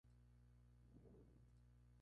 La función seno se evaluará en radianes.